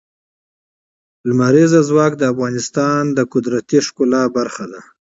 لمریز ځواک د افغانستان د طبیعت د ښکلا برخه ده.